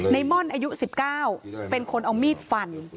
ม่อนอายุ๑๙เป็นคนเอามีดฟัน